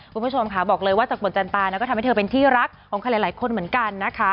คุณผู้ชมค่ะบอกเลยว่าจากบทจันตาก็ทำให้เธอเป็นที่รักของใครหลายคนเหมือนกันนะคะ